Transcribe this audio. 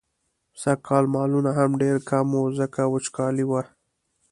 سږکال مالونه هم ډېر کم وو، ځکه وچکالي وه.